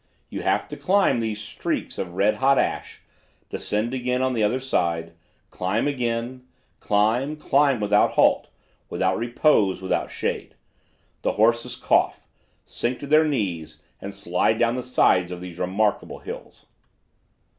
You have to climb these streaks of red hot ash, descend again on the other side, climb again, climb, climb without halt, without repose, without shade. The horses cough, sink to their knees and slide down the sides of these remarkable hills.